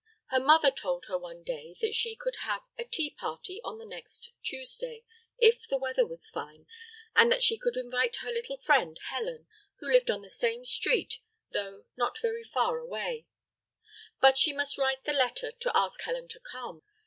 Her mother told her one day that she could have a tea party on the next Tuesday, if the weather was fine, and that she could invite her little friend Helen, who lived on the same street, though not very far away; but she must write the letter to ask Helen to come.